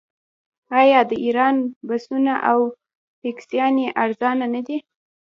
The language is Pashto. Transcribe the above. آیا د ایران بسونه او ټکسیانې ارزانه نه دي؟